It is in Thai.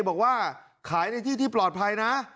บอกว่าขายในที่ที่ปลอดภัยนะ